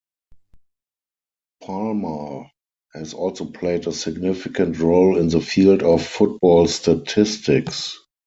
Palmer has also played a significant role in the field of football statistics.